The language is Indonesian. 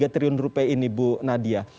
dua puluh tiga triliun rupiah ini bu nadia